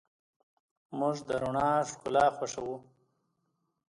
موږ د رڼا ښکلا خوښو.